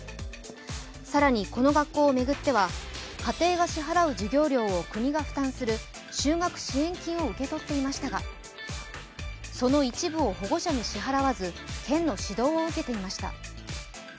更に、この学校を巡っては家庭が支払う授業料を国が負担する就学支援金を受け取っていましたがその一部を保護者に支払わず県の指導を受けていました。